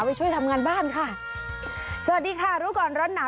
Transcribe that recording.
ไปช่วยทำงานบ้านค่ะสวัสดีค่ะรู้ก่อนร้อนหนาว